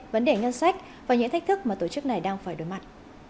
vấn đề ngân sách và những thách thức mà tổ chức này đang phải đối mặt